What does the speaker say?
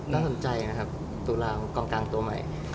น่าสนใจนะครับตุลากองกลางตัวใหม่